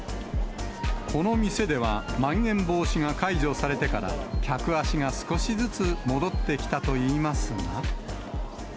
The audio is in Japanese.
この店では、まん延防止が解除されてから客足が少しずつ戻ってきたといいますが。